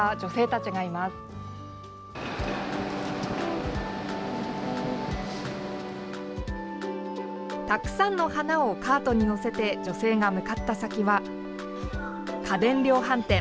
たくさんの花をカートにのせて女性が向かった先は家電量販店。